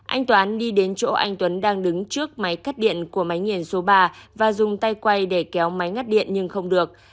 anh toán đi đến chỗ anh tuấn đang đứng trước máy cắt điện của máy nghiền số ba và dùng tay quay để kéo máy ngắt điện nhưng không được